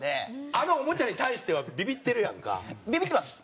あのおもちゃに対してはビビってるやんか。